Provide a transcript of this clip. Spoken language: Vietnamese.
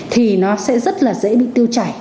thì nó sẽ rất là dễ bị tiêu chảy